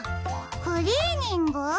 クリーニング？